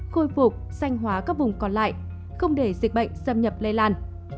khôi phục xanh hóa các vùng còn lại không để dịch bệnh xâm nhập lây lan